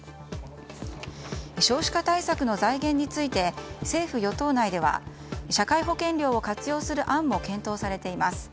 少子化対策の財源について政府・与党内では社会保険料を活用する案も検討されています。